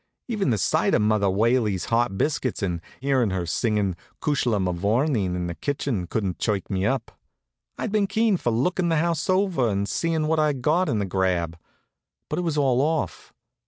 Even the sight of Mother Whaley's hot biscuits and hearin' her singin' "Cushla Mavourneen" in the kitchen couldn't chirk me up. I'd been keen for lookin' the house over and seein' what I'd got in the grab; but it was all off.